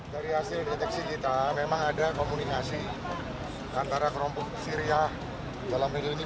dari hasil deteksi kita memang ada komunikasi antara kelompok syria dalam negeri ini